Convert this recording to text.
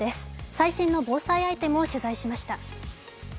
最新の防災アイテムを取材しました。